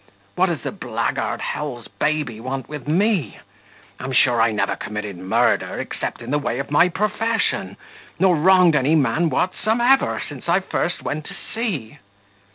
What does the blackguard hell's baby want with me? I'm sure I never committed murder, except in the way of my profession, nor wronged any man whatsomever since I first went to sea."